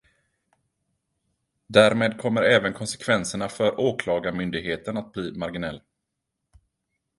Därmed kommer även konsekvenserna för Åklagarmyndigheten att bli marginell.